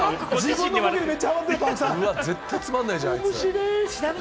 絶対つまんないじゃん、あいつ。